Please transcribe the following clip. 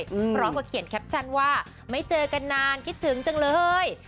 พร้อมกับเขียนแคปชั่นว่าไม่เจอกันนานคิดถึงจังเลย